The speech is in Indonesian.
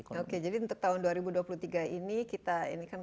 oke jadi untuk tahun dua ribu dua puluh tiga ini